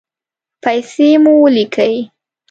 پیسې مو ولیکئ